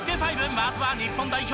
まずは日本代表